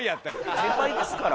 先輩ですから。